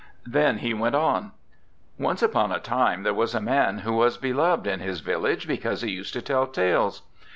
Then he went on: 'Once upon a time there was a man who was beloved in his village because he used to tell tales.